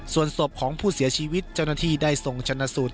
ส่วนศพของผู้เสียชีวิตเจ้าหน้าที่ได้ส่งชนะสูตร